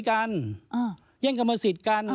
คนนั้นคือใคร